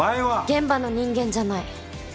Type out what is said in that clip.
現場の人間じゃない。